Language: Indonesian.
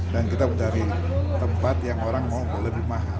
dan kita mencari tempat yang orang mau lebih mahal